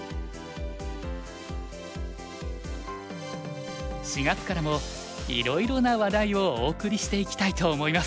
４月からもいろいろな話題をお送りしていきたいと思います。